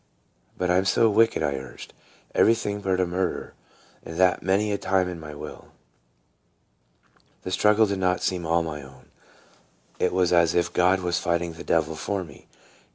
But I 'm so wicked," I urged; "everything but a murderer, and that many a time in my will." The struggle did not seem all my own; it was as if God was fighting the devil for me.